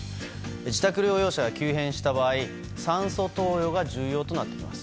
自宅療養者が急変した場合酸素投与が重要となってきます。